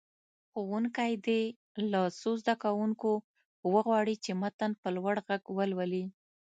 ښوونکی دې له څو زده کوونکو وغواړي چې متن په لوړ غږ ولولي.